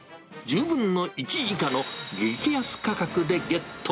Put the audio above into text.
１０分の１以下の激安価格でゲット。